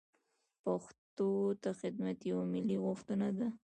پښتو ته خدمت یوه ملي غوښتنه ده.